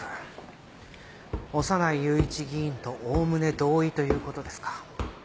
小山内雄一議員とおおむね同意という事ですか。